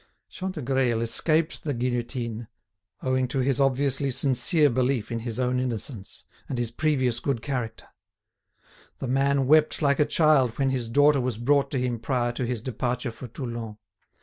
Chantegreil escaped the guillotine, owing to his obviously sincere belief in his own innocence, and his previous good character. The man wept like a child when his daughter was brought to him prior to his departure for Toulon.